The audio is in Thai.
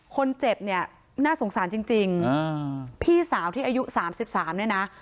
คนเจ็บเนี้ยน่าสงสารจริงจริงพี่สาวที่อายุสามสิบสามเนี้ยนะ